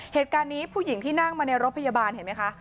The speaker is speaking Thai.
เหตุการณ์นี้ผู้หญิงที่นั่งมาในรถพยาบาลเห็นไหมคะ